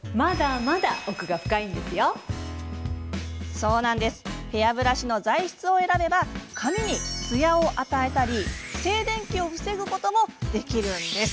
そう、ヘアブラシの材質を選べば髪につやを与えたり静電気を防ぐこともできるんです。